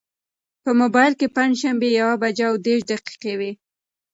په مبایل کې پنجشنبه او یوه بجه او دېرش دقیقې وې.